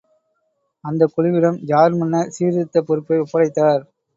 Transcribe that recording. அந்தக் குழுவிடம் ஜார் மன்னர் சீர்திருத்தப் பொறுப்பை ஒப்படைத்தார்.